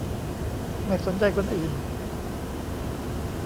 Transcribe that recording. ไม่สนใจคนอื่น